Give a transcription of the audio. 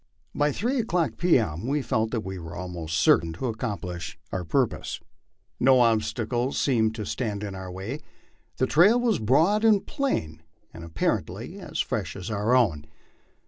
By three o'clock p. M. we felt that we were almost certain to accomplish our purpose. No ob stacle seemed to stand in our way; the trail was broad and plain, and appar ently as fresh as our own.